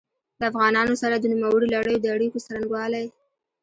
د افغانانو سره د نوموړي لړیو د اړیکو څرنګوالي.